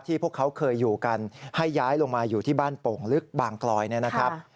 พวกเขาเคยอยู่กันให้ย้ายลงมาอยู่ที่บ้านโป่งลึกบางกลอยเนี่ยนะครับ